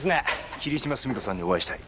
霧島澄子さんにお会いしたい。